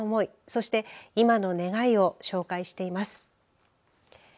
そして今の願いを紹介しています。